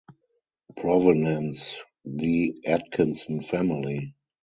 Provenance: The Atkinson family.